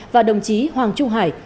và đồng chí hoàng trung hải